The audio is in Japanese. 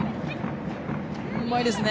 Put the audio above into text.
うまいですね。